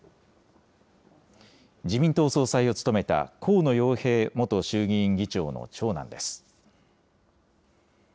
自民党総裁を務めた河野洋平元衆議院議長の長男です。